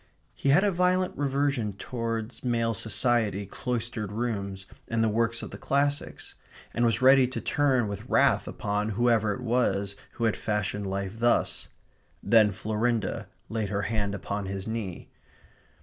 He had a violent reversion towards male society, cloistered rooms, and the works of the classics; and was ready to turn with wrath upon whoever it was who had fashioned life thus. Then Florinda laid her hand upon his knee.